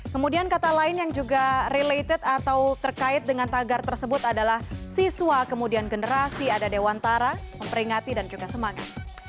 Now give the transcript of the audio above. kemudian kata lain yang juga related atau terkait dengan tagar tersebut adalah siswa kemudian generasi ada dewantara memperingati dan juga semangat